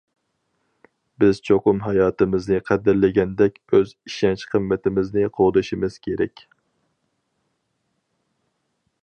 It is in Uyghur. بىز چوقۇم ھاياتىمىزنى قەدىرلىگەندەك ئۆز ئىشەنچ قىممىتىمىزنى قوغدىشىمىز كېرەك.